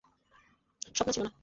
স্বপ্ন ছিল না।